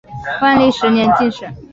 万历十年进士。